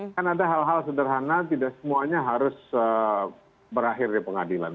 kan ada hal hal sederhana tidak semuanya harus berakhir di pengadilan